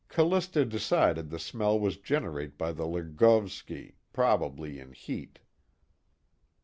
_) Callista decided the smell was generated by the Lagovski, probably in heat.